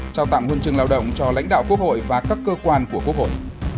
chào tạm huân chừng lao động cho lãnh đạo quốc hội và các cơ quan của quốc hội